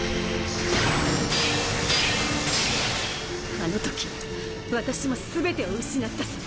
あの時私も全てを失ったさ。